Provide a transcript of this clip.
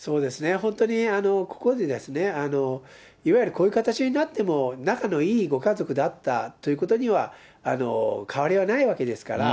本当にここでいわゆるこういう形になっても、仲のいいご家族であったということにはかわりはないわけですから。